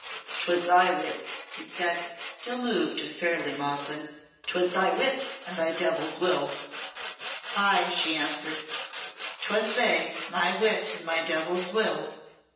"'Twas thy wit," said he, still moved, and fairly maudlin. "'Twas thy wit and thy devil's will!" "Ay," she answered, "'twas they my wit and my devil's will!"